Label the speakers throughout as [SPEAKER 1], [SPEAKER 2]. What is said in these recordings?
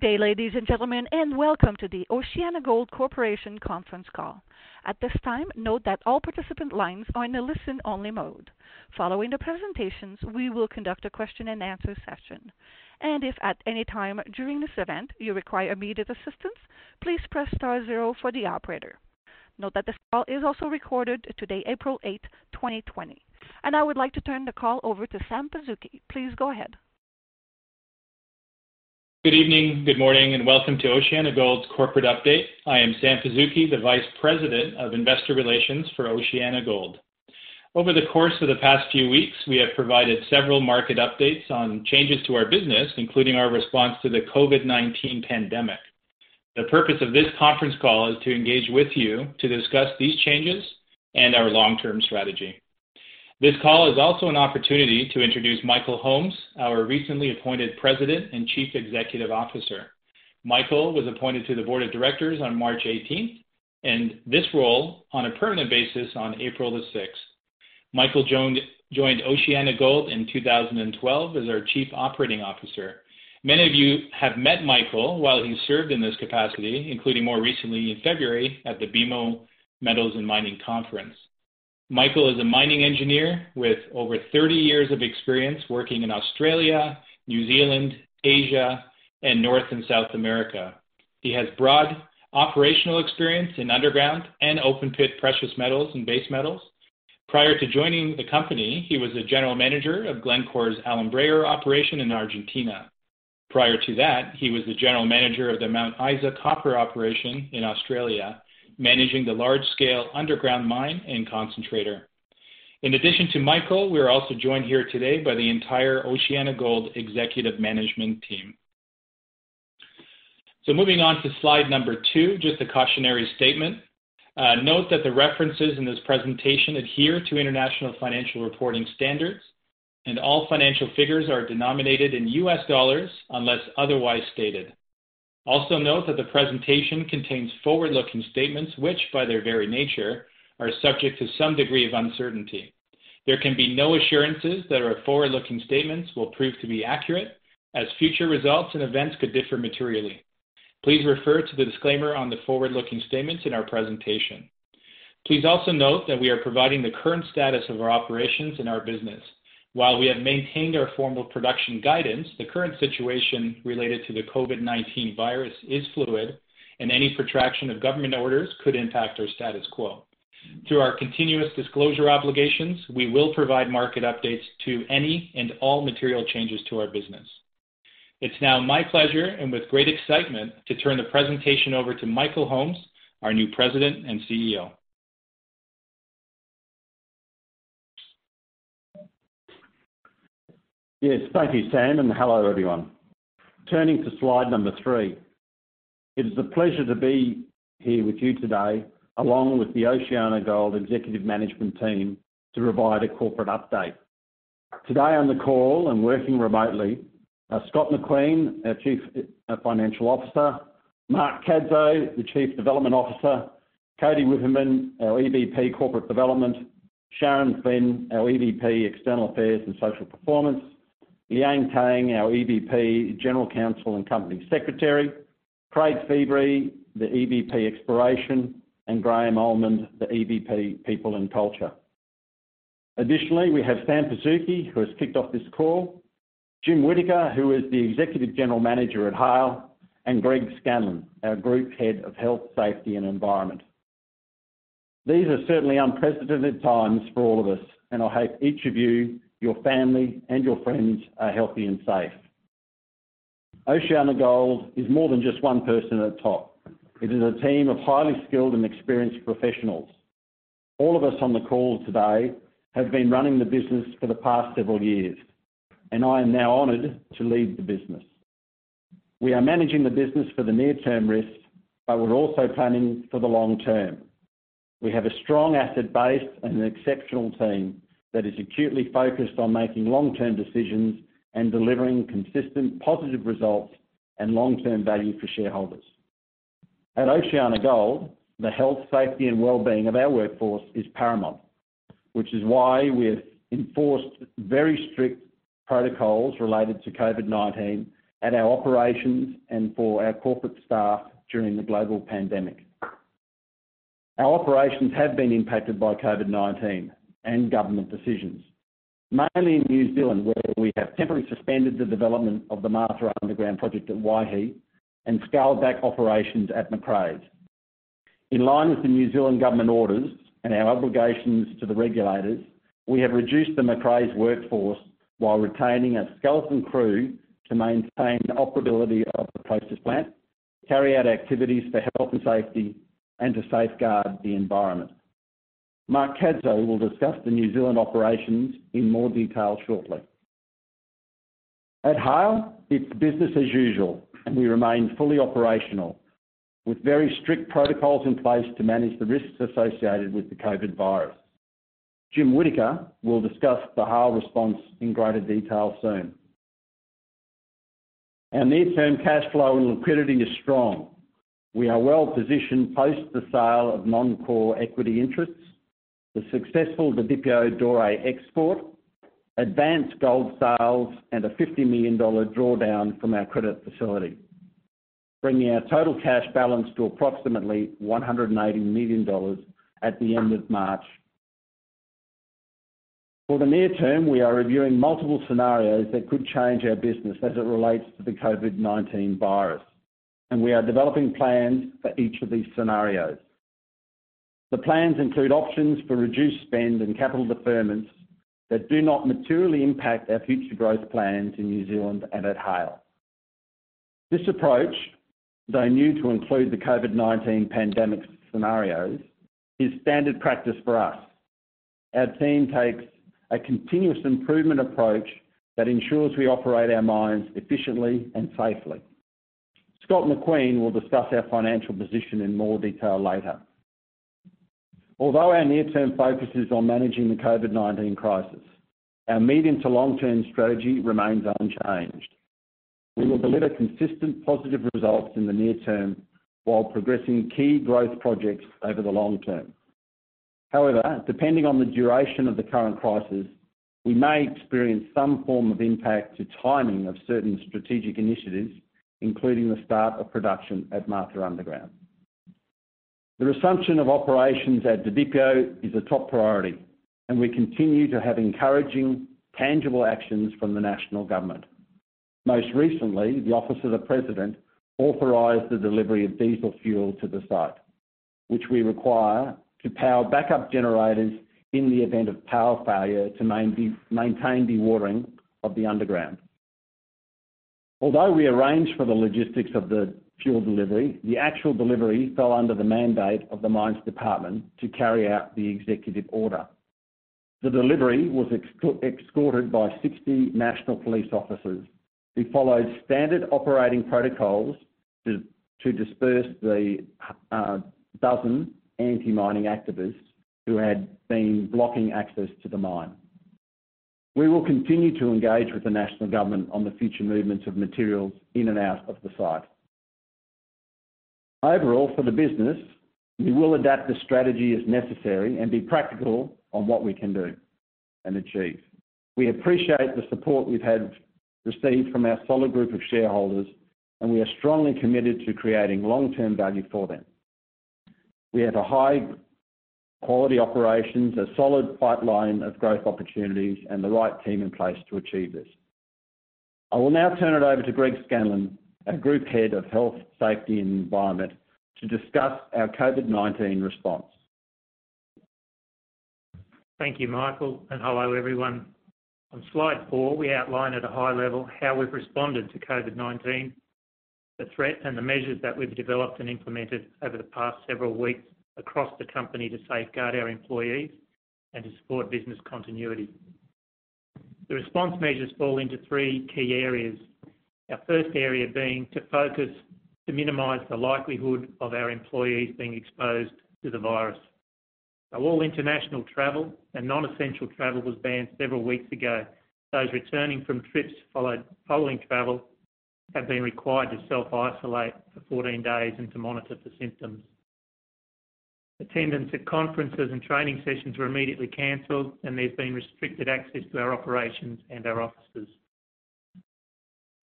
[SPEAKER 1] Good day, ladies and gentlemen, and welcome to the OceanaGold Corporation conference call. I would like to turn the call over to Sam Pazuki. Please go ahead.
[SPEAKER 2] Good evening, good morning, welcome to OceanaGold's corporate update. I am Sam Pazuki, the Vice President of Investor Relations for OceanaGold. Over the course of the past few weeks, we have provided several market updates on changes to our business, including our response to the COVID-19 pandemic. The purpose of this conference call is to engage with you to discuss these changes and our long-term strategy. This call is also an opportunity to introduce Michael Holmes, our recently appointed President and Chief Executive Officer. Michael was appointed to the board of directors on March 18th, this role on a permanent basis on April the 6th. Michael joined OceanaGold in 2012 as our Chief Operating Officer. Many of you have met Michael while he served in this capacity, including more recently in February at the BMO Metals & Mining Conference. Michael is a mining engineer with over 30 years of experience working in Australia, New Zealand, Asia, and North and South America. He has broad operational experience in underground and open pit precious metals and base metals. Prior to joining the company, he was the General Manager of Glencore's Alumbrera operation in Argentina. Prior to that, he was the General Manager of the Mount Isa Copper operation in Australia, managing the large-scale underground mine and concentrator. In addition to Michael, we're also joined here today by the entire OceanaGold executive management team. Moving on to slide number two, just a cautionary statement. Note that the references in this presentation adhere to International Financial Reporting Standards, and all financial figures are denominated in U.S. dollars unless otherwise stated. Also note that the presentation contains forward-looking statements, which, by their very nature, are subject to some degree of uncertainty. There can be no assurances that our forward-looking statements will prove to be accurate, as future results and events could differ materially. Please refer to the disclaimer on the forward-looking statements in our presentation. Please also note that we are providing the current status of our operations and our business. While we have maintained our formal production guidance, the current situation related to the COVID-19 virus is fluid, and any protraction of government orders could impact our status quo. Through our continuous disclosure obligations, we will provide market updates to any and all material changes to our business. It's now my pleasure and with great excitement to turn the presentation over to Michael Holmes, our new President and CEO.
[SPEAKER 3] Thank you, Sam, and hello, everyone. Turning to slide number three. It is a pleasure to be here with you today, along with the OceanaGold executive management team to provide a corporate update. Today on the call and working remotely are Scott McQueen, our Chief Financial Officer, Mark Cadzow, the Chief Development Officer, Cody Whipperman, our EVP Corporate Development, Sharon Flynn, our EVP External Affairs and Social Performance, Liang Tang, our EVP General Counsel and Company Secretary, Craig Feebrey, the EVP Exploration, and Graham Almond, the EVP People and Culture. Additionally, we have Sam Pazuki, who has kicked off this call, Jim Whittaker, who is the Executive General Manager at Haile, and Greg Scanlan, our Group Head of Health, Safety and Environment. These are certainly unprecedented times for all of us, and I hope each of you, your family, and your friends are healthy and safe. OceanaGold is more than just one person at the top. It is a team of highly skilled and experienced professionals. All of us on the call today have been running the business for the past several years, and I am now honored to lead the business. We are managing the business for the near-term risks, but we're also planning for the long term. We have a strong asset base and an exceptional team that is acutely focused on making long-term decisions and delivering consistent positive results and long-term value for shareholders. At OceanaGold, the health, safety, and well-being of our workforce is paramount, which is why we have enforced very strict protocols related to COVID-19 at our operations and for our corporate staff during the global pandemic. Our operations have been impacted by COVID-19 and government decisions, mainly in New Zealand, where we have temporarily suspended the development of the Martha Underground project at Waihi and scaled back operations at Macraes. In line with the New Zealand government orders and our obligations to the regulators, we have reduced the Macraes workforce while retaining a skeleton crew to maintain operability of the process plant, carry out activities for health and safety, and to safeguard the environment. Mark Cadzow will discuss the New Zealand operations in more detail shortly. At Haile, it's business as usual. We remain fully operational with very strict protocols in place to manage the risks associated with the COVID virus. Jim Whittaker will discuss the Haile response in greater detail soon. Our near-term cash flow and liquidity is strong. We are well positioned post the sale of non-core equity interests, the successful Didipio doré export gold sales and a $50 million drawdown from our credit facility, bringing our total cash balance to approximately $180 million at the end of March. For the near term, we are reviewing multiple scenarios that could change our business as it relates to the COVID-19 virus, and we are developing plans for each of these scenarios. The plans include options for reduced spend and capital deferments that do not materially impact our future growth plans in New Zealand and at Haile. This approach, though new to include the COVID-19 pandemic scenarios, is standard practice for us. Our team takes a continuous improvement approach that ensures we operate our mines efficiently and safely. Scott McQueen will discuss our financial position in more detail later. Although our near-term focus is on managing the COVID-19 crisis, our medium to long-term strategy remains unchanged. We will deliver consistent positive results in the near term while progressing key growth projects over the long term. However, depending on the duration of the current crisis, we may experience some form of impact to timing of certain strategic initiatives, including the start of production at Martha Underground. The resumption of operations at Didipio is a top priority, and we continue to have encouraging tangible actions from the national government. Most recently, the Office of the President authorized the delivery of diesel fuel to the site, which we require to power backup generators in the event of power failure to maintain dewatering of the underground. Although we arranged for the logistics of the fuel delivery, the actual delivery fell under the mandate of the Mines Department to carry out the executive order. The delivery was escorted by 60 national police officers who followed standard operating protocols to disperse the dozen anti-mining activists who had been blocking access to the mine. We will continue to engage with the national government on the future movements of materials in and out of the site. Overall, for the business, we will adapt the strategy as necessary and be practical on what we can do and achieve. We appreciate the support we've received from our solid group of shareholders, and we are strongly committed to creating long-term value for them. We have high-quality operations, a solid pipeline of growth opportunities, and the right team in place to achieve this. I will now turn it over to Greg Scanlan, our Group Head of Health, Safety, and Environment, to discuss our COVID-19 response.
[SPEAKER 4] Thank you, Michael, and hello, everyone. On slide four, we outline at a high level how we've responded to COVID-19, the threat, and the measures that we've developed and implemented over the past several weeks across the company to safeguard our employees and to support business continuity. The response measures fall into three key areas. Our first area being to focus to minimize the likelihood of our employees being exposed to the virus. All international travel and non-essential travel was banned several weeks ago. Those returning from trips following travel have been required to self-isolate for 14 days and to monitor for symptoms. Attendance at conferences and training sessions were immediately canceled, and there's been restricted access to our operations and our offices.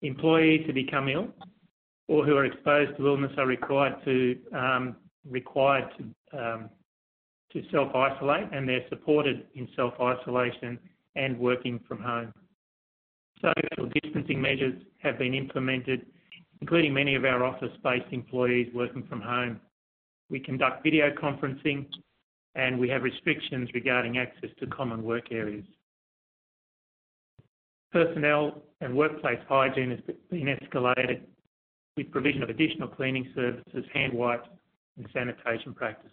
[SPEAKER 4] Employees who become ill or who are exposed to illness are required to self-isolate, and they're supported in self-isolation and working from home. Social distancing measures have been implemented, including many of our office-based employees working from home. We conduct video conferencing, and we have restrictions regarding access to common work areas. Personnel and workplace hygiene has been escalated with provision of additional cleaning services, hand wipes, and sanitation practices.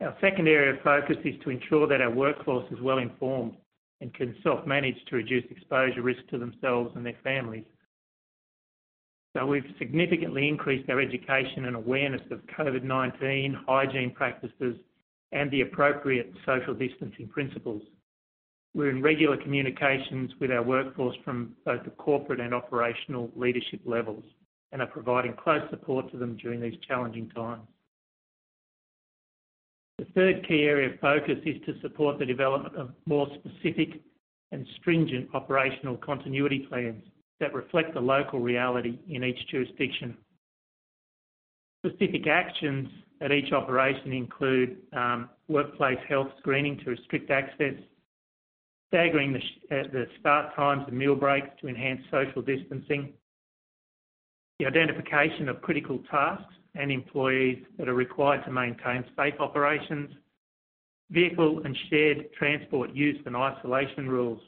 [SPEAKER 4] Our second area of focus is to ensure that our workforce is well informed and can self-manage to reduce exposure risk to themselves and their families. We've significantly increased our education and awareness of COVID-19 hygiene practices and the appropriate social distancing principles. We're in regular communications with our workforce from both the corporate and operational leadership levels and are providing close support to them during these challenging times. The third key area of focus is to support the development of more specific and stringent operational continuity plans that reflect the local reality in each jurisdiction. Specific actions at each operation include workplace health screening to restrict access, staggering the start times and meal breaks to enhance social distancing, the identification of critical tasks and employees that are required to maintain safe operations, vehicle and shared transport use and isolation rules,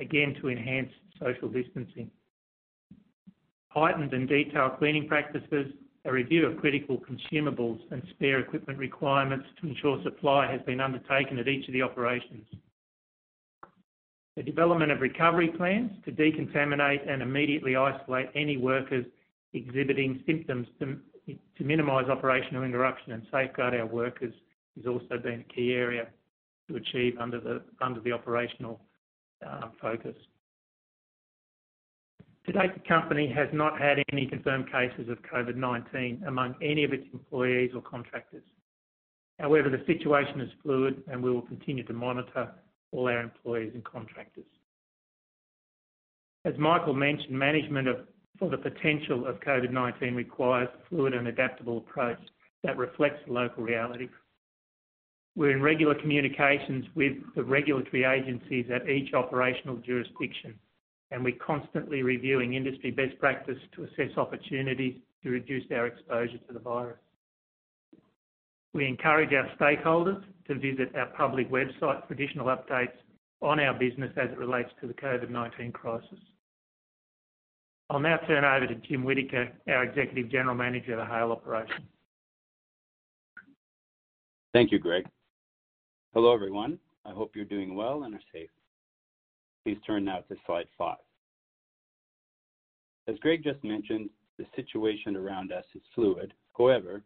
[SPEAKER 4] again, to enhance social distancing. Heightened and detailed cleaning practices, a review of critical consumables and spare equipment requirements to ensure supply has been undertaken at each of the operations. The development of recovery plans to decontaminate and immediately isolate any workers exhibiting symptoms to minimize operational interruption and safeguard our workers has also been a key area to achieve under the operational focus. To date, the company has not had any confirmed cases of COVID-19 among any of its employees or contractors. However, the situation is fluid, and we will continue to monitor all our employees and contractors. As Michael mentioned, management of the potential of COVID-19 requires a fluid and adaptable approach that reflects local realities. We're in regular communications with the regulatory agencies at each operational jurisdiction, and we're constantly reviewing industry best practice to assess opportunities to reduce our exposure to the virus. We encourage our stakeholders to visit our public website for additional updates on our business as it relates to the COVID-19 crisis. I'll now turn over to Jim Whittaker, our Executive General Manager of the Haile Operation.
[SPEAKER 5] Thank you, Greg. Hello, everyone. I hope you're doing well and are safe. Please turn now to slide five. As Greg just mentioned, the situation around us is fluid. However,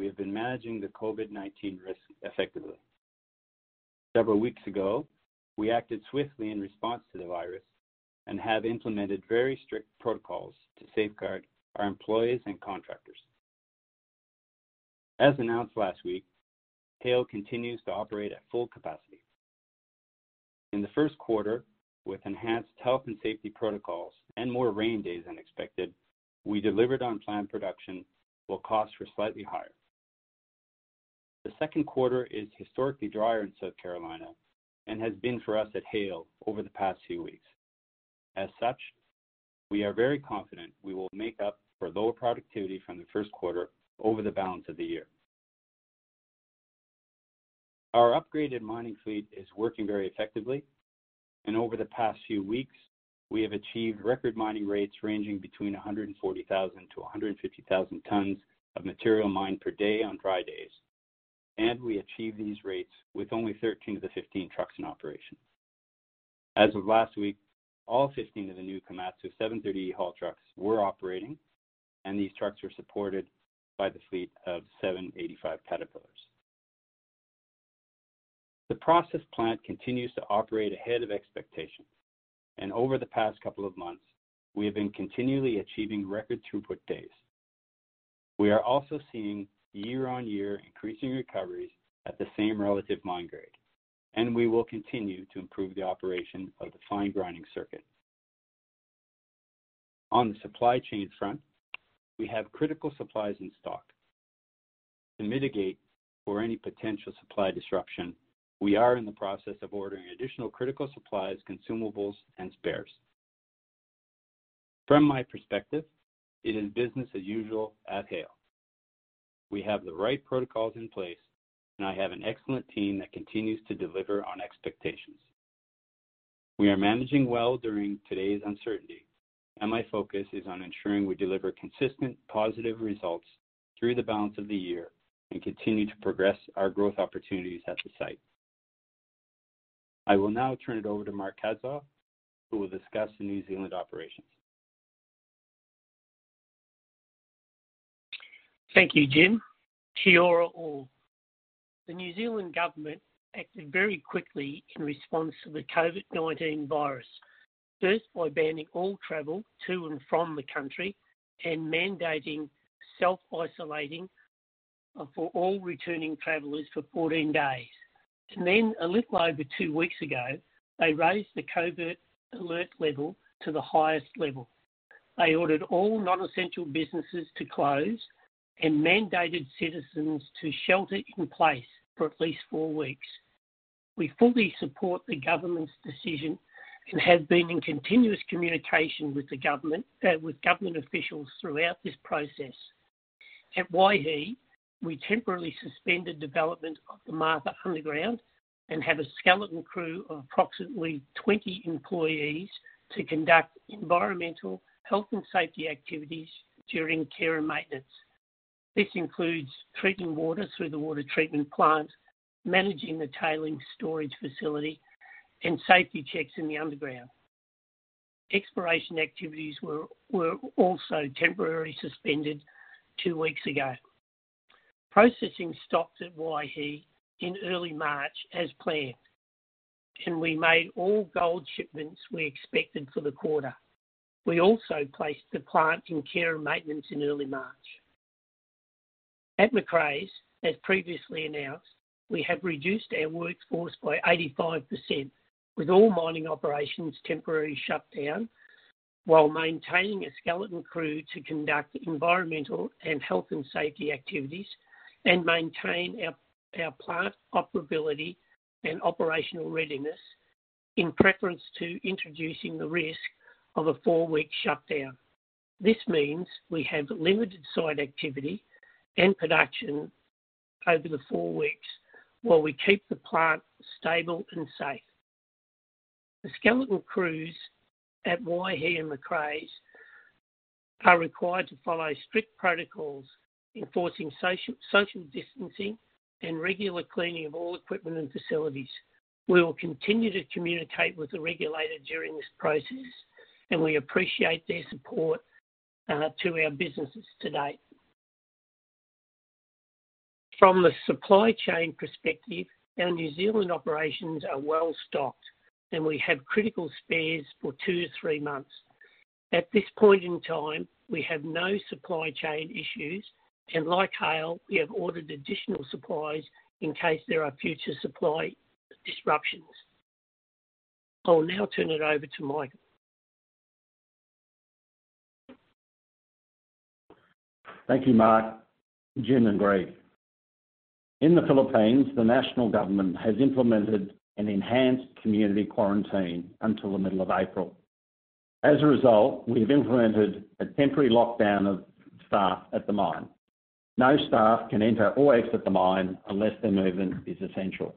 [SPEAKER 5] we have been managing the COVID-19 risk effectively. Several weeks ago, we acted swiftly in response to the virus and have implemented very strict protocols to safeguard our employees and contractors. As announced last week, Haile continues to operate at full capacity. In the first quarter, with enhanced health and safety protocols and more rain days than expected, we delivered on plan production, while costs were slightly higher. The second quarter is historically drier in South Carolina and has been for us at Haile over the past few weeks. As such, we are very confident we will make up for lower productivity from the first quarter over the balance of the year. Our upgraded mining fleet is working very effectively. Over the past few weeks, we have achieved record mining rates ranging between 140,000-150,000 tons of material mined per day on dry days. We achieve these rates with only 13 of the 15 trucks in operation. As of last week, all 15 of the new Komatsu 730E-10 haul trucks were operating. These trucks are supported by the fleet of Caterpillar 785. The process plant continues to operate ahead of expectations. Over the past couple of months, we have been continually achieving record throughput days. We are also seeing year-on-year increasing recoveries at the same relative mine grade. We will continue to improve the operation of the fine grinding circuit. On the supply chain front, we have critical supplies in stock. To mitigate for any potential supply disruption, we are in the process of ordering additional critical supplies, consumables, and spares. From my perspective, it is business as usual at Haile. We have the right protocols in place, and I have an excellent team that continues to deliver on expectations. We are managing well during today's uncertainty, and my focus is on ensuring we deliver consistent, positive results through the balance of the year and continue to progress our growth opportunities at the site. I will now turn it over to Mark Cadzow, who will discuss the New Zealand operations.
[SPEAKER 6] Thank you, Jim. The New Zealand government acted very quickly in response to the COVID-19, first by banning all travel to and from the country and mandating self-isolating for all returning travelers for 14 days. Then a little over two weeks ago, they raised the COVID alert level to the highest level. They ordered all non-essential businesses to close and mandated citizens to shelter in place for at least four weeks. We fully support the government's decision and have been in continuous communication with government officials throughout this process. At Waihi, we temporarily suspended development of the Martha Underground and have a skeleton crew of approximately 20 employees to conduct environmental health and safety activities during care and maintenance. This includes treating water through the water treatment plant, managing the Tailings Storage Facility, and safety checks in the underground. Exploration activities were also temporarily suspended two weeks ago. Processing stopped at Waihi in early March as planned, and we made all gold shipments we expected for the quarter. We also placed the plant in care and maintenance in early March. At Macraes, as previously announced, we have reduced our workforce by 85%, with all mining operations temporarily shut down, while maintaining a skeleton crew to conduct environmental and health and safety activities and maintain our plant operability and operational readiness in preference to introducing the risk of a four-week shutdown. This means we have limited site activity and production over the four weeks while we keep the plant stable and safe. The skeletal crews at Waihi and Macraes are required to follow strict protocols enforcing social distancing and regular cleaning of all equipment and facilities. We will continue to communicate with the regulator during this process, and we appreciate their support to our businesses to date. From the supply chain perspective, our New Zealand operations are well-stocked, and we have critical spares for two to three months. At this point in time, we have no supply chain issues, and like Haile, we have ordered additional supplies in case there are future supply disruptions. I will now turn it over to Michael.
[SPEAKER 3] Thank you, Mark, Jim, and Greg. In the Philippines, the national government has implemented an enhanced community quarantine until the middle of April. As a result, we've implemented a temporary lockdown of staff at the mine. No staff can enter or exit the mine unless their movement is essential.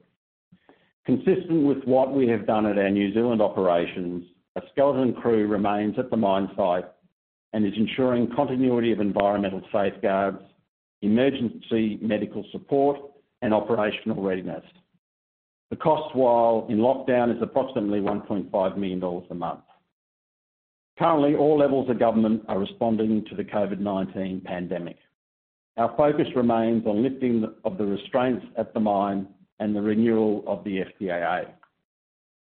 [SPEAKER 3] Consistent with what we have done at our New Zealand operations, a skeleton crew remains at the mine site and is ensuring continuity of environmental safeguards, emergency medical support, and operational readiness. The cost while in lockdown is approximately $1.5 million a month. Currently, all levels of government are responding to the COVID-19 pandemic. Our focus remains on lifting of the restraints at the mine and the renewal of the FTAA.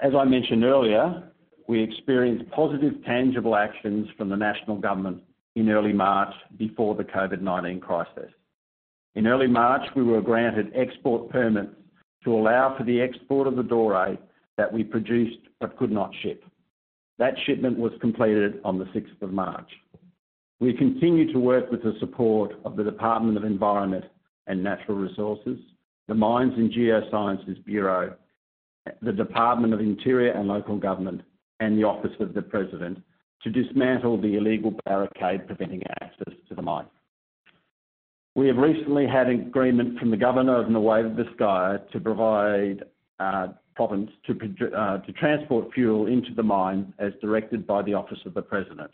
[SPEAKER 3] As I mentioned earlier, we experienced positive tangible actions from the national government in early March before the COVID-19 crisis. In early March, we were granted export permits to allow for the export of the doré that we produced but could not ship. That shipment was completed on the 6th of March. We continue to work with the support of the Department of Environment and Natural Resources, the Mines and Geosciences Bureau, the Department of the Interior and Local Government, and the Office of the President to dismantle the illegal barricade preventing our access to the mine. We have recently had agreement from the governor of Nueva Vizcaya to transport fuel into the mine as directed by the Office of the President.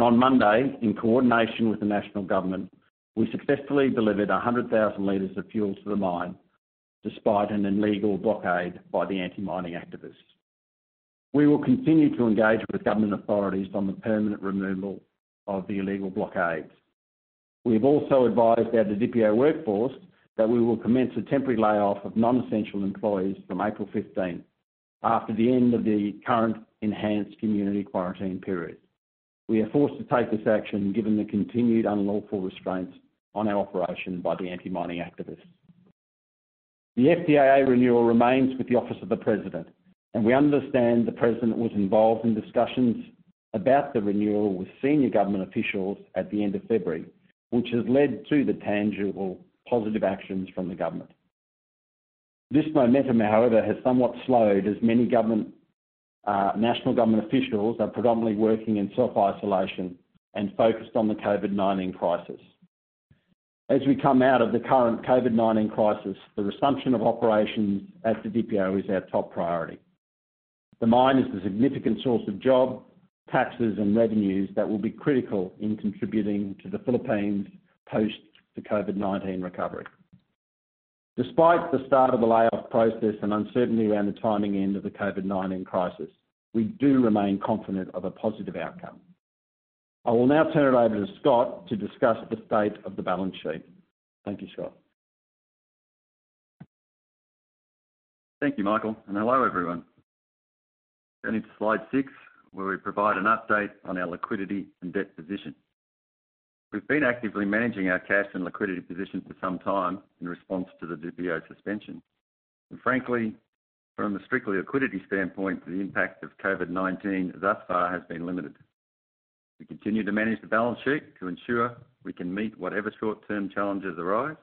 [SPEAKER 3] On Monday, in coordination with the national government, we successfully delivered 100,000 L of fuel to the mine despite an illegal blockade by the anti-mining activists. We will continue to engage with government authorities on the permanent removal of the illegal blockades. We have also advised our Didipio workforce that we will commence a temporary layoff of non-essential employees from April 15th, after the end of the current enhanced community quarantine period. We are forced to take this action given the continued unlawful restraints on our operation by the anti-mining activists. The FTAA renewal remains with the Office of the President, and we understand the President was involved in discussions about the renewal with senior government officials at the end of February, which has led to the tangible positive actions from the government. This momentum, however, has somewhat slowed as many national government officials are predominantly working in self-isolation and focused on the COVID-19 crisis. As we come out of the current COVID-19 crisis, the resumption of operations at Didipio is our top priority. The mine is a significant source of jobs, taxes, and revenues that will be critical in contributing to the Philippines post the COVID-19 recovery. Despite the start of the layoff process and uncertainty around the timing end of the COVID-19 crisis, we do remain confident of a positive outcome. I will now turn it over to Scott to discuss the state of the balance sheet. Thank you, Scott.
[SPEAKER 7] Thank you, Michael. Hello, everyone. Going into slide six, where we provide an update on our liquidity and debt position. We've been actively managing our cash and liquidity position for some time in response to the Didipio suspension. Frankly, from a strictly liquidity standpoint, the impact of COVID-19 thus far has been limited. We continue to manage the balance sheet to ensure we can meet whatever short-term challenges arise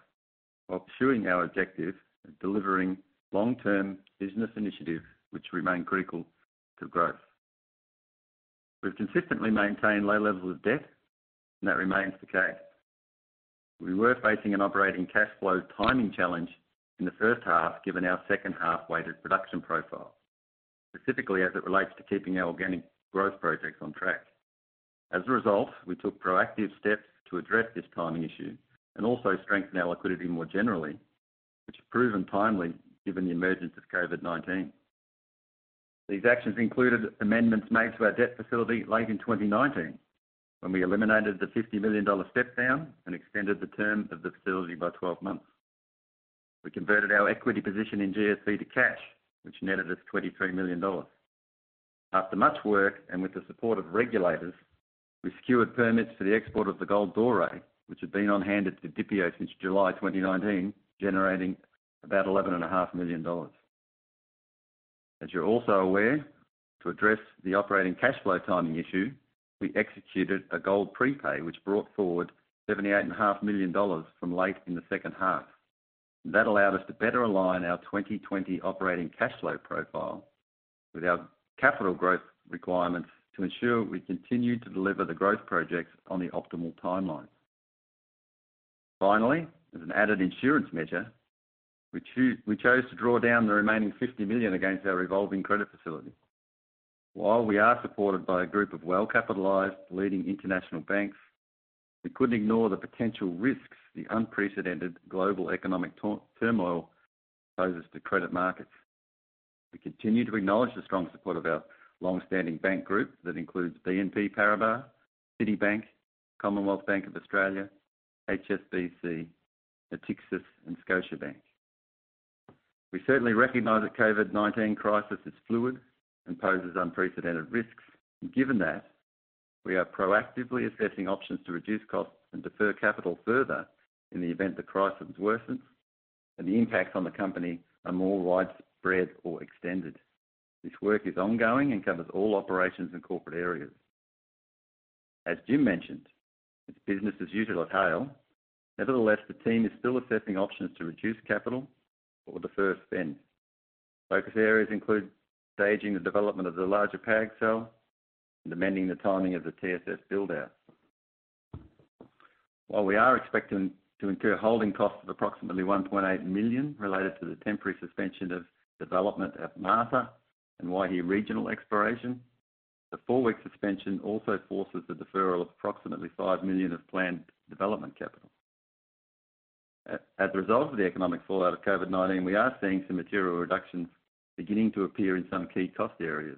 [SPEAKER 7] while pursuing our objective of delivering long-term business initiatives which remain critical to growth. We've consistently maintained low levels of debt, and that remains the case. We were facing an operating cash flow timing challenge in the first half, given our second half weighted production profile, specifically as it relates to keeping our organic growth projects on track. As a result, we took proactive steps to address this timing issue and also strengthen our liquidity more generally, which has proven timely given the emergence of COVID-19. These actions included amendments made to our debt facility late in 2019, when we eliminated the $50 million step down and extended the term of the facility by 12 months. We converted our equity position in GSV to cash, which netted us $23 million. After much work and with the support of regulators, we secured permits for the export of the gold doré, which had been on hand at Didipio since July 2019, generating about $11.5 million. As you're also aware, to address the operating cash flow timing issue, we executed a gold prepay which brought forward $78.5 million from late in the second half. That allowed us to better align our 2020 operating cash flow profile with our capital growth requirements to ensure we continue to deliver the growth projects on the optimal timelines. Finally, as an added insurance measure, we chose to draw down the remaining $50 million against our revolving credit facility. While we are supported by a group of well-capitalized leading international banks, we couldn't ignore the potential risks the unprecedented global economic turmoil poses to credit markets. We continue to acknowledge the strong support of our longstanding bank group that includes BNP Paribas, Citibank, Commonwealth Bank of Australia, HSBC, Natixis, and Scotiabank. We certainly recognize the COVID-19 crisis is fluid and poses unprecedented risks. Given that, we are proactively assessing options to reduce costs and defer capital further in the event the crisis worsens and the impacts on the company are more widespread or extended. This work is ongoing and covers all operations and corporate areas. As Jim mentioned, it's business as usual at Haile. Nevertheless, the team is still assessing options to reduce capital or defer spend. Focus areas include staging the development of the larger PAG cell and amending the timing of the TSF build-out. While we are expecting to incur holding costs of approximately $1.8 million related to the temporary suspension of development at Martha and Waihi Regional Exploration, the four-week suspension also forces the deferral of approximately $5 million of planned development capital. As a result of the economic fallout of COVID-19, we are seeing some material reductions beginning to appear in some key cost areas,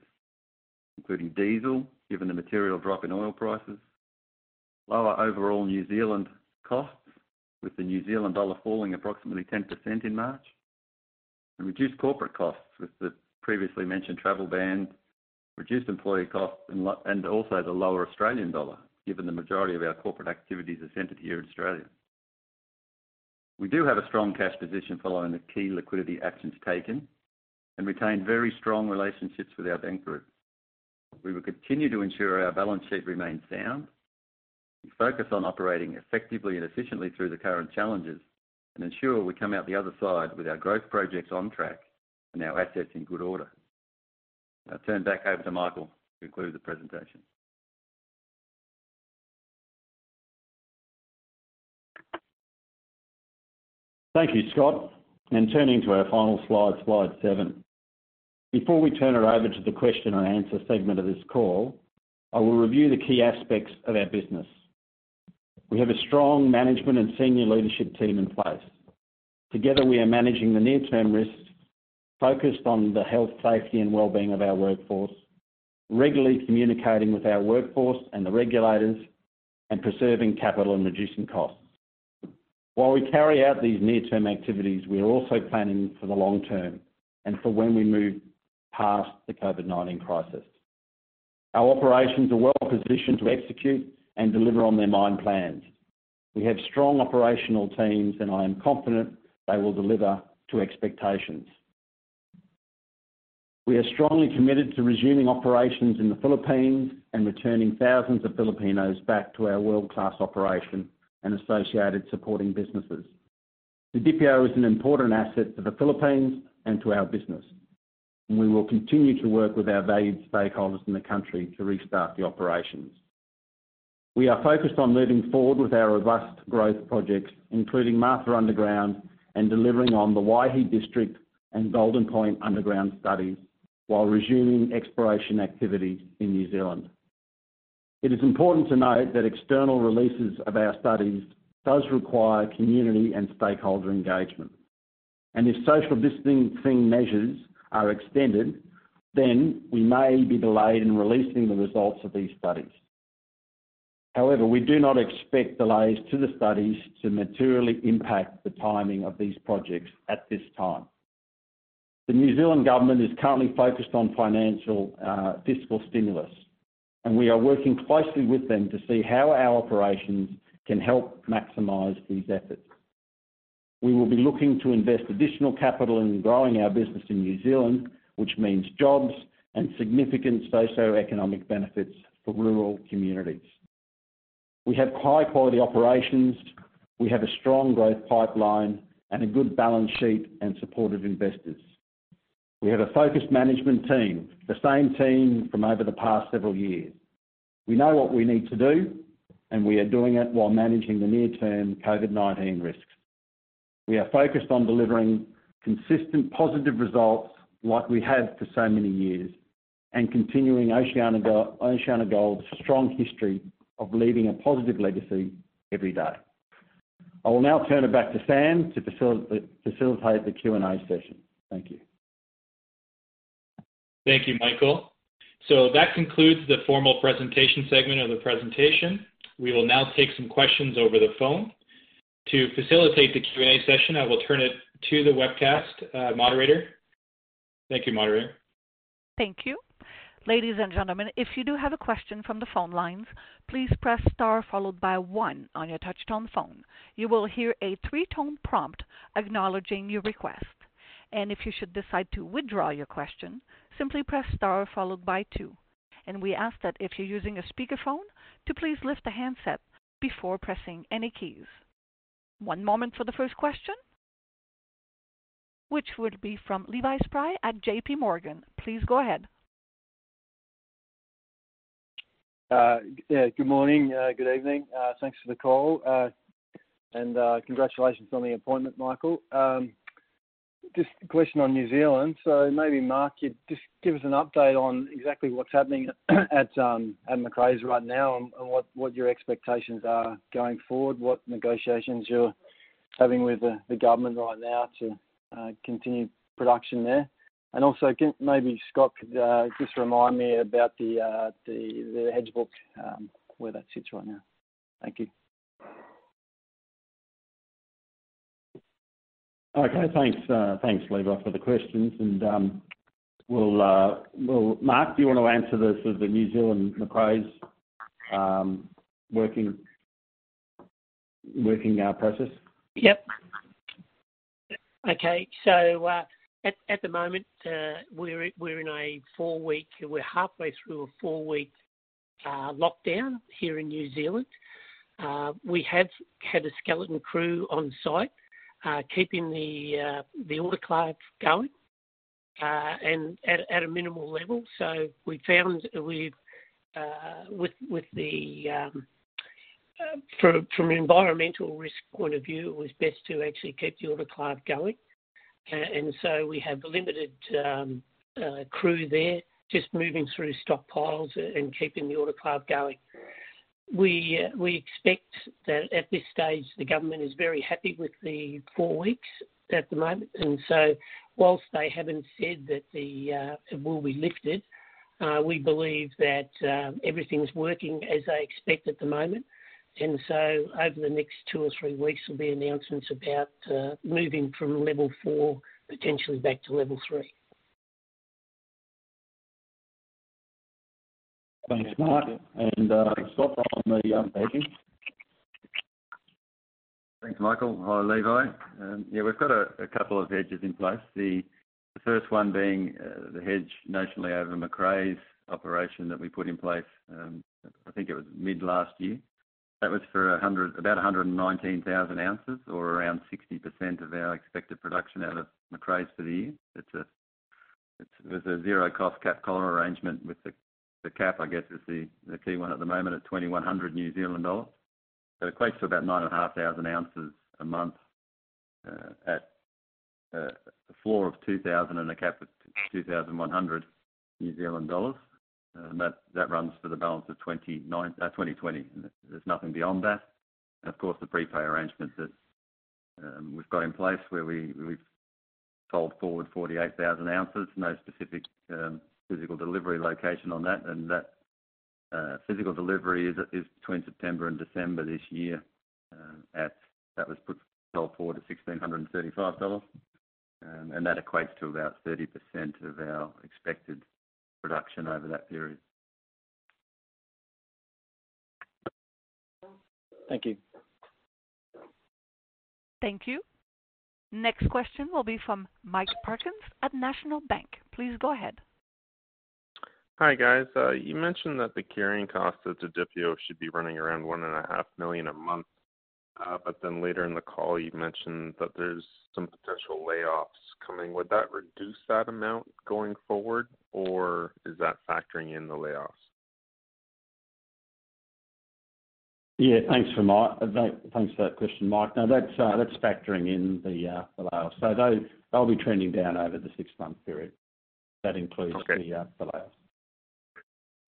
[SPEAKER 7] including diesel, given the material drop in oil prices, lower overall New Zealand costs, with the New Zealand dollar falling approximately 10% in March, and reduced corporate costs with the previously mentioned travel ban, reduced employee costs, and also the lower Australian dollar, given the majority of our corporate activities are centered here in Australia. We do have a strong cash position following the key liquidity actions taken and retain very strong relationships with our bank group. We will continue to ensure our balance sheet remains sound. We focus on operating effectively and efficiently through the current challenges and ensure we come out the other side with our growth projects on track and our assets in good order. I'll turn it back over to Michael to conclude the presentation.
[SPEAKER 3] Thank you, Scott. Turning to our final slide seven. Before we turn it over to the question and answer segment of this call, I will review the key aspects of our business. We have a strong management and senior leadership team in place. Together, we are managing the near-term risks, focused on the health, safety, and well-being of our workforce, regularly communicating with our workforce and the regulators, and preserving capital and reducing costs. While we carry out these near-term activities, we are also planning for the long term and for when we move past the COVID-19 crisis. Our operations are well positioned to execute and deliver on their mine plans. We have strong operational teams, and I am confident they will deliver to expectations. We are strongly committed to resuming operations in the Philippines and returning thousands of Filipinos back to our world-class operation and associated supporting businesses. The Didipio is an important asset to the Philippines and to our business, and we will continue to work with our valued stakeholders in the country to restart the operations. We are focused on moving forward with our robust growth projects, including Martha Underground, and delivering on the Waihi District and Golden Point underground studies while resuming exploration activities in New Zealand. It is important to note that external releases of our studies does require community and stakeholder engagement. If social distancing measures are extended, then we may be delayed in releasing the results of these studies. We do not expect delays to the studies to materially impact the timing of these projects at this time. The New Zealand government is currently focused on fiscal stimulus, and we are working closely with them to see how our operations can help maximize these efforts. We will be looking to invest additional capital in growing our business in New Zealand, which means jobs and significant socioeconomic benefits for rural communities. We have high-quality operations. We have a strong growth pipeline and a good balance sheet and supportive investors. We have a focused management team, the same team from over the past several years. We know what we need to do, and we are doing it while managing the near-term COVID-19 risks. We are focused on delivering consistent positive results like we have for so many years and continuing OceanaGold's strong history of leaving a positive legacy every day. I will now turn it back to Sam to facilitate the Q&A session. Thank you.
[SPEAKER 2] Thank you, Michael. That concludes the formal presentation segment of the presentation. We will now take some questions over the phone. To facilitate the Q&A session, I will turn it to the webcast moderator. Thank you, moderator.
[SPEAKER 1] Thank you. Ladies and gentlemen, if you do have a question from the phone lines, please press star followed by one on your touch-tone phone. You will hear a three-tone prompt acknowledging your request. And if you should decide to withdraw your question, simply press star followed by two. And we ask that if you're using a speakerphone, to please lift the handset before pressing any keys. One moment for the first question, which will be from Levi Spry at JPMorgan. Please go ahead.
[SPEAKER 8] Good morning. Good evening. Thanks for the call. Congratulations on the appointment, Michael. Just a question on New Zealand. Maybe, Mark, you just give us an update on exactly what's happening at Macraes right now and what your expectations are going forward, what negotiations you're having with the government right now to continue production there. Also, maybe Scott could just remind me about the hedge book, where that sits right now. Thank you.
[SPEAKER 3] Okay. Thanks, Levi, for the questions. Mark, do you want to answer the New Zealand Macraes working process?
[SPEAKER 6] Yep. Okay. At the moment, we're halfway through a four-week lockdown here in New Zealand. We have had a skeleton crew on site, keeping the autoclave going, and at a minimal level. We found from an environmental risk point of view, it was best to actually keep the autoclave going. We have limited crew there, just moving through stockpiles and keeping the autoclave going. We expect that at this stage, the government is very happy with the four weeks at the moment. Whilst they haven't said that it will be lifted, we believe that everything's working as they expect at the moment. Over the next two or three weeks, there'll be announcements about moving from level four, potentially back to level three.
[SPEAKER 3] Thanks, Mark. Scott, on the hedging.
[SPEAKER 7] Thanks, Michael. Hi, Levi. Yeah, we've got a couple of hedges in place. The first one being the hedge notionally over Macraes operation that we put in place. I think it was mid last year. That was for about 119,000 ounces or around 60% of our expected production out of Macraes for the year. It was a zero cost cap collar arrangement with the cap, I guess is the key one at the moment at 2,100 New Zealand dollar. It equates to about 9,500 ounces a month, at a floor of 2,000 and a cap of 2,100 New Zealand dollars. That runs for the balance of 2020. There's nothing beyond that. Of course, the gold prepay arrangement that we've got in place where we've sold forward 48,000 ounces, no specific physical delivery location on that. That physical delivery is between September and December this year. That was put well forward to $1,635. That equates to about 30% of our expected production over that period.
[SPEAKER 8] Thank you.
[SPEAKER 1] Thank you. Next question will be from Mike Parkin at National Bank. Please go ahead.
[SPEAKER 9] Hi, guys. You mentioned that the carrying cost at Didipio should be running around $1.5 million a month. Later in the call, you mentioned that there's some potential layoffs coming. Would that reduce that amount going forward, or is that factoring in the layoffs?
[SPEAKER 3] Yeah, thanks for that question, Mike. That's factoring in the layoffs. They'll be trending down over the six-month period. That includes-
[SPEAKER 9] Okay
[SPEAKER 3] the layoffs.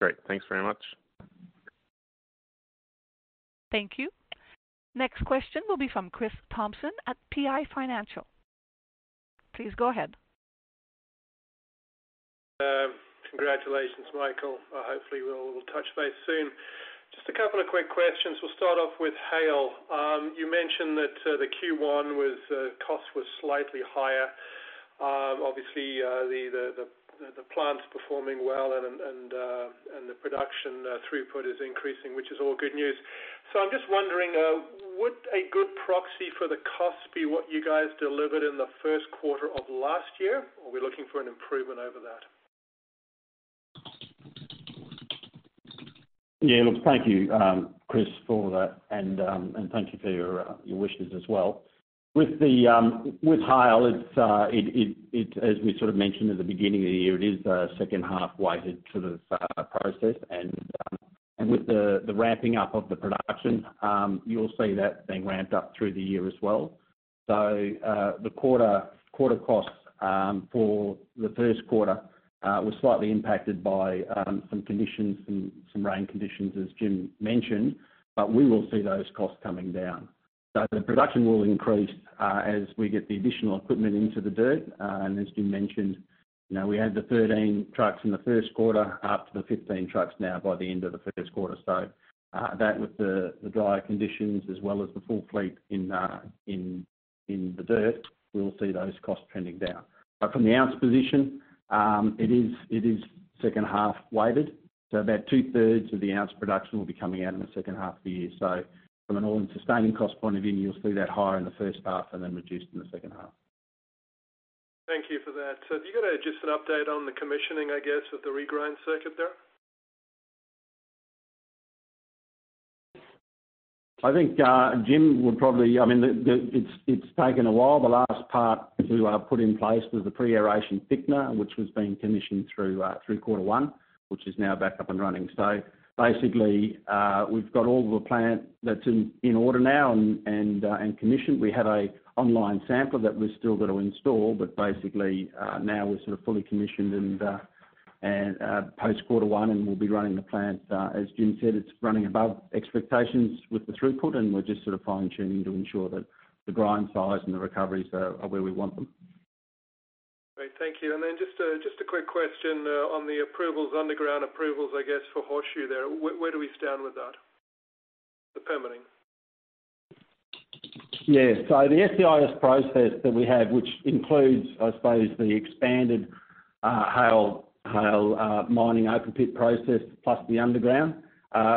[SPEAKER 9] Great. Thanks very much.
[SPEAKER 1] Thank you. Next question will be from Chris Thompson at PI Financial. Please go ahead.
[SPEAKER 10] Congratulations, Michael. Hopefully we'll touch base soon. Just a couple of quick questions. We'll start off with Haile. You mentioned that the Q1 cost was slightly higher. Obviously, the plant's performing well and the production throughput is increasing, which is all good news. I'm just wondering, would a good proxy for the cost be what you guys delivered in the first quarter of last year? Or we're looking for an improvement over that?
[SPEAKER 3] Yeah, look, thank you, Chris, for that. Thank you for your wishes as well. With Haile, as we sort of mentioned at the beginning of the year, it is a second half weighted sort of process. With the ramping up of the production, you'll see that being ramped up through the year as well. The quarter costs for the first quarter was slightly impacted by some conditions, some rain conditions, as Jim mentioned, but we will see those costs coming down. The production will increase as we get the additional equipment into the dirt. As Jim mentioned, we had the 13 trucks in the first quarter up to the 15 trucks now by the end of the first quarter. That with the drier conditions as well as the full fleet in the dirt, we'll see those costs trending down. From the ounce position, it is second half weighted. About 2/3 of the ounce production will be coming out in the second half of the year. From an all-in sustaining cost point of view, you'll see that higher in the first half and then reduced in the second half.
[SPEAKER 10] Thank you for that. Have you got just an update on the commissioning, I guess, of the regrind circuit there?
[SPEAKER 3] It's taken a while. The last part we put in place was the pre-aeration thickener, which was being commissioned through quarter one, which is now back up and running. Basically, we've got all the plant that's in order now and commissioned. We have an online sampler that we've still got to install. Basically, now we're sort of fully commissioned and post quarter one, and we'll be running the plant. As Jim said, it's running above expectations with the throughput, and we're just fine-tuning to ensure that the grind size and the recoveries are where we want them.
[SPEAKER 10] Great. Thank you. Just a quick question on the approvals, underground approvals, I guess, for Horseshoe there. Where do we stand with that? The permitting.
[SPEAKER 3] Yeah. The SEIS process that we have, which includes, I suppose, the expanded Haile Open Pit process plus the underground.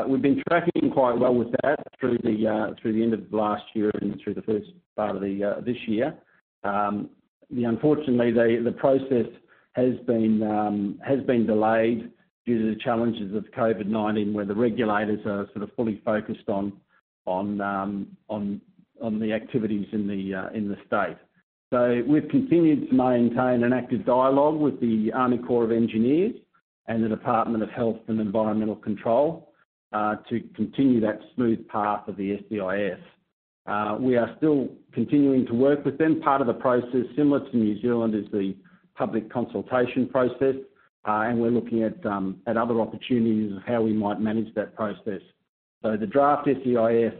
[SPEAKER 3] We've been tracking quite well with that through the end of last year and through the first part of this year. Unfortunately, the process has been delayed due to the challenges of COVID-19, where the regulators are fully focused on the activities in the state. We've continued to maintain an active dialogue with the Army Corps of Engineers and the Department of Health and Environmental Control to continue that smooth path of the SEIS. We are still continuing to work with them. Part of the process, similar to New Zealand, is the public consultation process. We're looking at other opportunities of how we might manage that process. The draft SEIS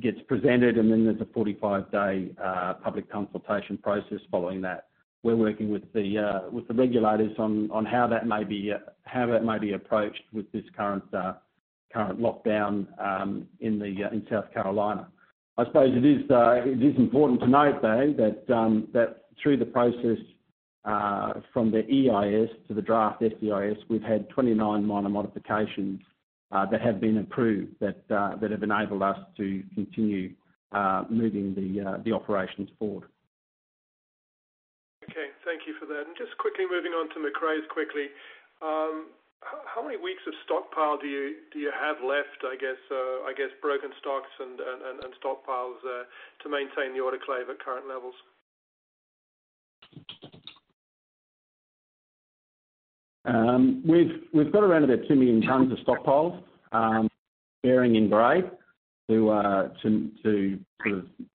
[SPEAKER 3] gets presented, and then there's a 45-day public consultation process following that. We're working with the regulators on how that may be approached with this current lockdown in South Carolina. I suppose it is important to note, though, that through the process from the EIS to the draft SEIS, we've had 29 minor modifications that have been approved that have enabled us to continue moving the operations forward.
[SPEAKER 10] Okay. Thank you for that. Just quickly moving on to Macraes quickly. How many weeks of stockpile do you have left, I guess, broken stocks and stockpiles there to maintain the autoclave at current levels?
[SPEAKER 3] We've got around about two million tons of stockpile, varying in grade to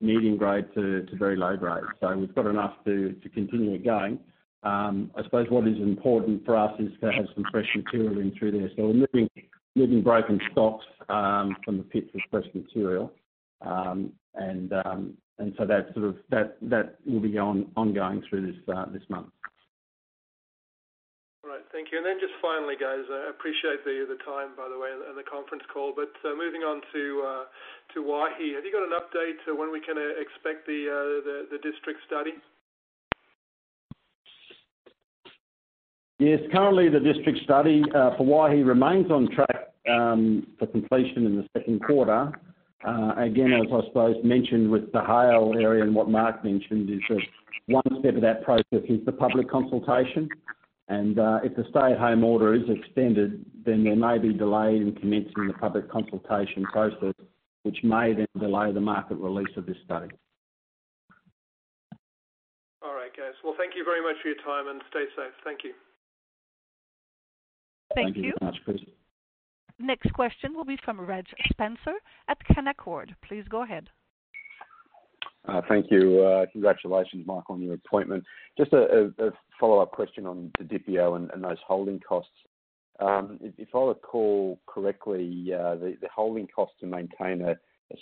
[SPEAKER 3] medium grade to very low grade. We've got enough to continue it going. I suppose what is important for us is to have some fresh material in through there. We're moving broken stocks from the pits with fresh material. That will be ongoing through this month.
[SPEAKER 10] All right. Thank you. Just finally, guys. I appreciate the time, by the way, and the conference call. Moving on to Waihi. Have you got an update to when we can expect the district study?
[SPEAKER 3] Yes. Currently, the district study for Waihi remains on track for completion in the second quarter. Again, as I suppose mentioned with the Haile area and what Mark mentioned is that one step of that process is the public consultation. If the stay-at-home order is extended, there may be delay in commencing the public consultation process, which may delay the market release of this study.
[SPEAKER 10] All right, guys. Well, thank you very much for your time, and stay safe. Thank you.
[SPEAKER 3] Thank you.
[SPEAKER 1] Thank you very much, Chris. Next question will be from Reg Spencer at Canaccord. Please go ahead.
[SPEAKER 11] Thank you. Congratulations, Mark, on your appointment. Just a follow-up question on the Didipio and those holding costs. If I recall correctly, the holding cost to maintain a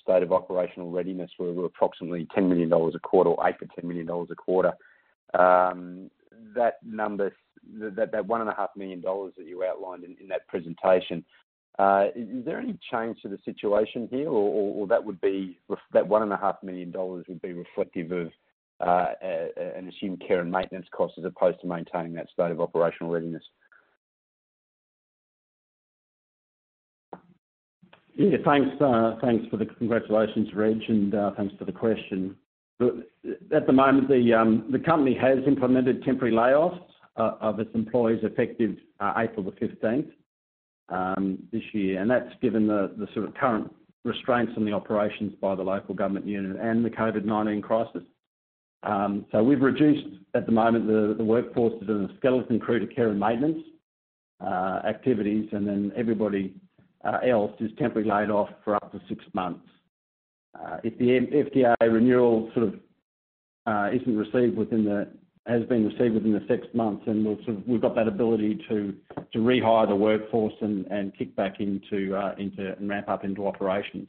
[SPEAKER 11] state of operational readiness were approximately $10 million a quarter or $8 million or $10 million a quarter. That number, that $1.5 million that you outlined in that presentation, is there any change to the situation here? That $1.5 million would be reflective of an assumed care and maintenance cost as opposed to maintaining that state of operational readiness?
[SPEAKER 3] Yeah. Thanks for the congratulations, Reg, and thanks for the question. At the moment, the company has implemented temporary layoffs of its employees effective April 15th this year. That's given the current restraints on the operations by the local government unit and the COVID-19 crisis. We've reduced, at the moment, the workforce to the skeleton crew to care and maintenance activities, and then everybody else is temporarily laid off for up to six months. If the FTAA renewal has been received within the six months, then we've got that ability to rehire the workforce and kick back into and ramp up into operations.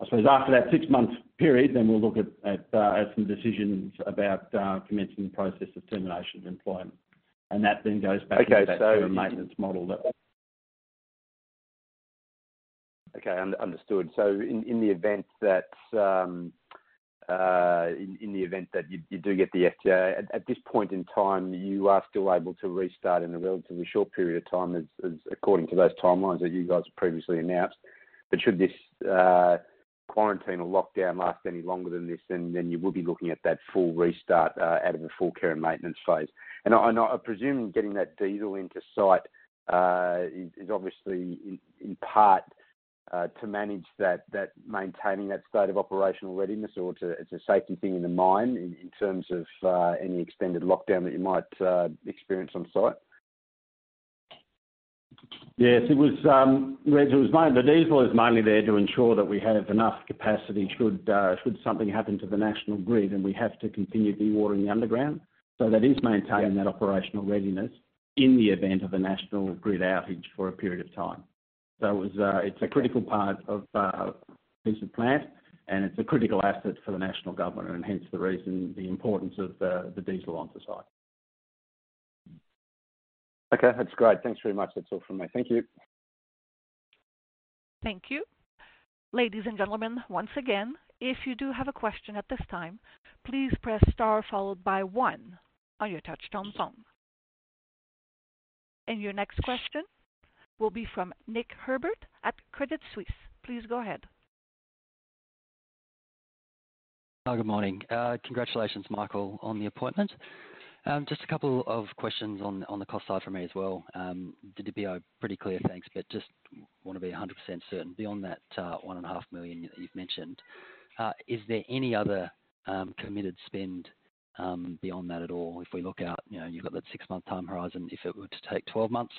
[SPEAKER 3] I suppose after that six months period, then we'll look at some decisions about commencing the process of termination of employment. That then goes back.
[SPEAKER 11] Okay.
[SPEAKER 3] to that care and maintenance model.
[SPEAKER 11] Okay. Understood. In the event that you do get the FTAA, at this point in time, you are still able to restart in a relatively short period of time as according to those timelines that you guys have previously announced. Should this quarantine or lockdown last any longer than this, then you would be looking at that full restart out of the full care and maintenance phase. I presume getting that diesel into site is obviously in part to manage maintaining that state of operational readiness or it is a safety thing in the mine in terms of any extended lockdown that you might experience on-site?
[SPEAKER 3] Yes, it was. The diesel is mainly there to ensure that we have enough capacity should something happen to the national grid and we have to continue dewatering the underground. That is maintaining that operational readiness in the event of a national grid outage for a period of time. It's a critical part of piece of plant, and it's a critical asset for the national government, and hence the reason the importance of the diesel on the site.
[SPEAKER 11] Okay. That's great. Thanks very much. That's all from me. Thank you.
[SPEAKER 1] Thank you. Ladies and gentlemen, once again, if you do have a question at this time, please press star followed by one on your touchtone phone. Your next question will be from Nick Herbert at Credit Suisse. Please go ahead.
[SPEAKER 12] Good morning. Congratulations, Michael, on the appointment. Just a couple of questions on the cost side from me as well. The Didipio, pretty clear, thanks. I just want to be 100% certain. Beyond that $1.5 million you've mentioned, is there any other committed spend beyond that at all? If we look out, you've got the six-month time horizon. If it were to take 12 months,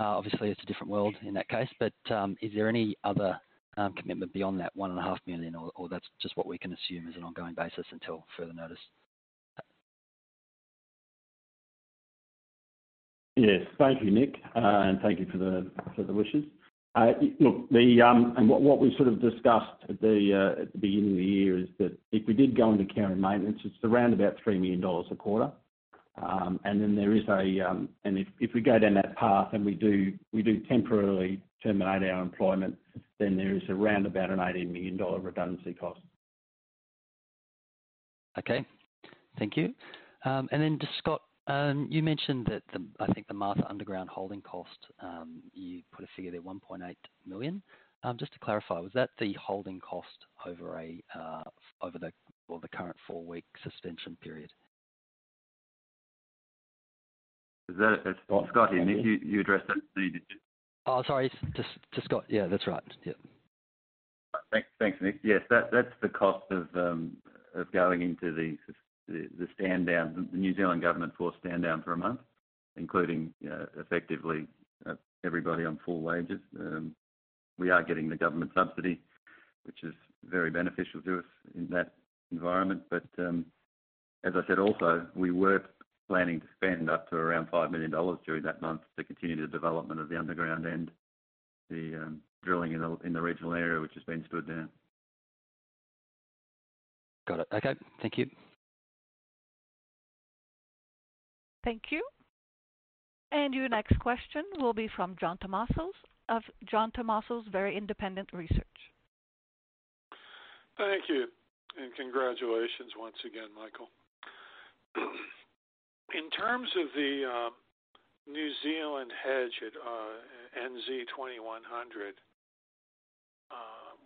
[SPEAKER 12] obviously it's a different world in that case. Is there any other commitment beyond that $1.5 million, or that's just what we can assume is an ongoing basis until further notice?
[SPEAKER 3] Yes. Thank you, Nick. Thank you for the wishes. Look, what we sort of discussed at the beginning of the year is that if we did go into care and maintenance, it's around about $3 million a quarter. If we go down that path and we do temporarily terminate our employment, then there is around about an $18 million redundancy cost.
[SPEAKER 12] Okay. Thank you. Scott, you mentioned that, I think the Martha Underground holding cost, you put a figure there, $1.8 million. Just to clarify, was that the holding cost over the current four-week suspension period?
[SPEAKER 3] Scott, you addressed that.
[SPEAKER 12] Oh, sorry. Just Scott. Yeah, that's right. Yeah.
[SPEAKER 7] Thanks, Nick. Yes, that's the cost of going into the stand down. The New Zealand government forced stand down for a month, including effectively everybody on full wages. We are getting the government subsidy, which is very beneficial to us in that environment. As I said, also, we were planning to spend up to around $5 million during that month to continue the development of the underground and the drilling in the regional area, which has been stood down.
[SPEAKER 12] Got it. Okay. Thank you.
[SPEAKER 1] Thank you. Your next question will be from John Tumazos of John Tumazos Very Independent Research.
[SPEAKER 13] Thank you. Congratulations once again, Michael. In terms of the New Zealand hedge at 2,100,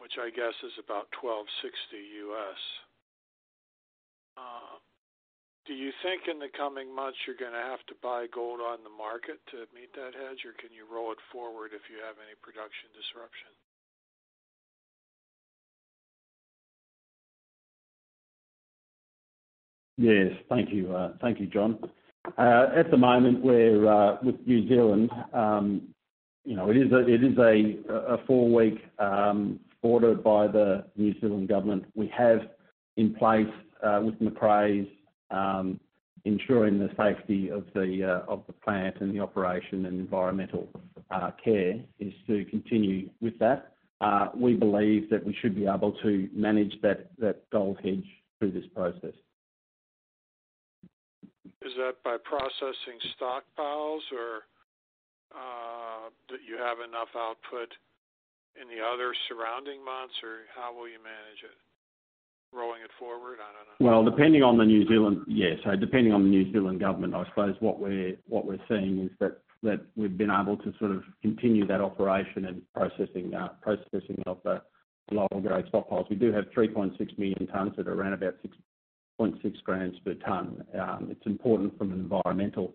[SPEAKER 13] which I guess is about $1,260, do you think in the coming months you're going to have to buy gold on the market to meet that hedge, or can you roll it forward if you have any production disruption?
[SPEAKER 3] Yes. Thank you, John. At the moment with New Zealand, it is a four-week order by the New Zealand government. We have in place with Macraes, ensuring the safety of the plant and the operation and environmental care is to continue with that. We believe that we should be able to manage that tonnage through this process.
[SPEAKER 13] Is that by processing stockpiles or that you have enough output in the other surrounding months, or how will you manage it? Rolling it forward? I don't know.
[SPEAKER 3] Well, depending on the New Zealand government, I suppose what we're seeing is that we've been able to sort of continue that operation and processing of the local grade stockpiles. We do have 3.6 million tons at around about 0.6 g per ton. It's important from an environmental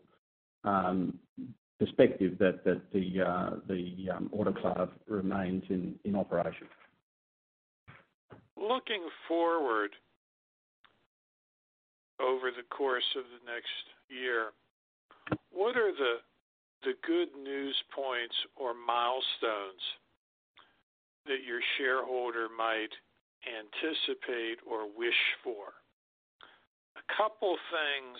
[SPEAKER 3] perspective that the autoclave remains in operation.
[SPEAKER 13] Looking forward over the course of the next year, what are the good news points or milestones that your shareholder might anticipate or wish for? A couple of things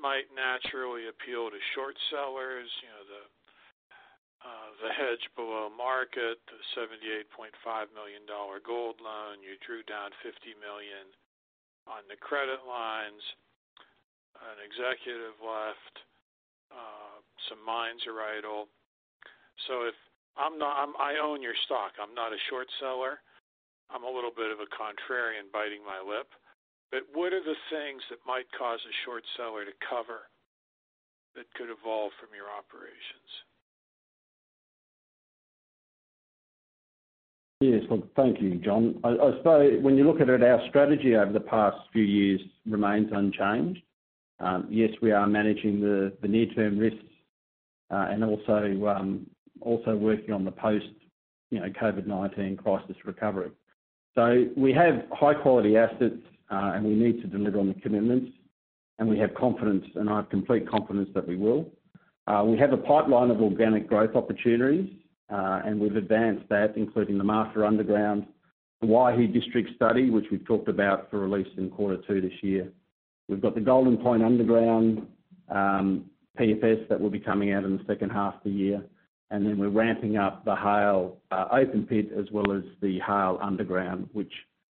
[SPEAKER 13] might naturally appeal to short sellers, the hedge below market, the $78.5 million gold loan. You drew down $50 million on the credit lines. An executive left. Some mines are idle. I own your stock. I'm not a short seller. I'm a little bit of a contrarian biting my lip. What are the things that might cause a short seller to cover that could evolve from your operations?
[SPEAKER 3] Yes. Well, thank you, John. I suppose when you look at it, our strategy over the past few years remains unchanged. Yes, we are managing the near-term risks and also working on the post-COVID-19 crisis recovery. We have high-quality assets, and we need to deliver on the commitments. We have confidence, and I have complete confidence that we will. We have a pipeline of organic growth opportunities, and we've advanced that, including the Martha Underground, the Waihi District study, which we've talked about for release in quarter two this year. We've got the Golden Point Underground PFS that will be coming out in the second half of the year. Then we're ramping up the Haile Open Pit as well as the Haile Underground, which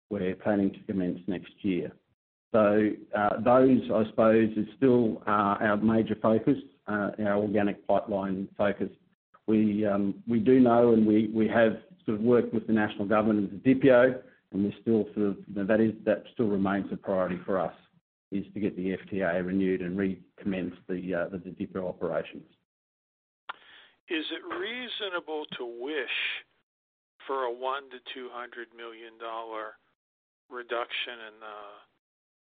[SPEAKER 3] we're planning to commence next year. Those, I suppose, are still our major focus, our organic pipeline focus. We do know, and we have sort of worked with the national government at Didipio, and that still remains a priority for us, is to get the FTA renewed and recommence the Didipio operations.
[SPEAKER 13] Is it reasonable to wish for a $100 million-$200 million reduction in the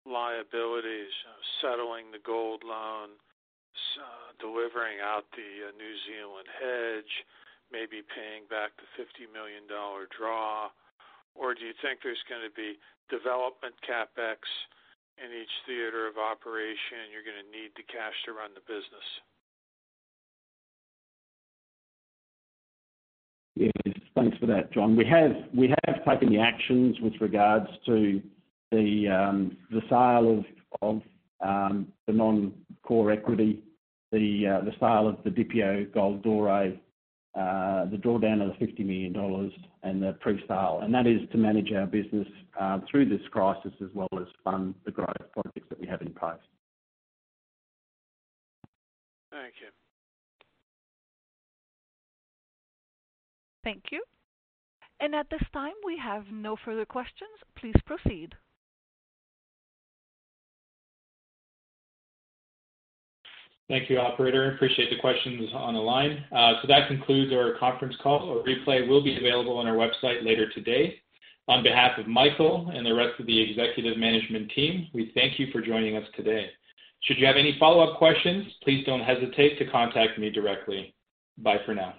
[SPEAKER 13] liabilities, settling the gold loan, delivering out the New Zealand hedge, maybe paying back the $50 million draw? Do you think there's going to be development CapEx in each theater of operation, and you're going to need the cash to run the business?
[SPEAKER 3] Yes. Thanks for that, John. We have taken actions with regards to the sale of the non-core equity, the sale of the Didipio gold doré, the drawdown of the $50 million, and the pre-sale. That is to manage our business through this crisis as well as fund the growth projects that we have in place.
[SPEAKER 13] Thank you.
[SPEAKER 1] Thank you. At this time, we have no further questions. Please proceed.
[SPEAKER 2] Thank you, operator. Appreciate the questions on the line. That concludes our conference call. A replay will be available on our website later today. On behalf of Michael and the rest of the executive management team, we thank you for joining us today. Should you have any follow-up questions, please don't hesitate to contact me directly. Bye for now.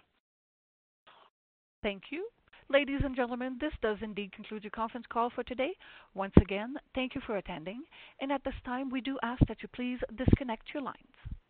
[SPEAKER 1] Thank you. Ladies and gentlemen, this does indeed conclude the conference call for today. Once again, thank you for attending. At this time, we do ask that you please disconnect your lines.f